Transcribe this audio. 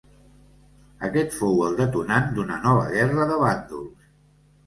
Aquest fou el detonant d'una nova guerra de bàndols.